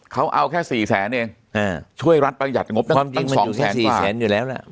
เขาเอาแค่สี่แสนเองอ่าช่วยรัฐประหยัดงบตั้งสองแสนกว่าความจริงมันอยู่แค่สี่แสนอยู่แล้วล่ะ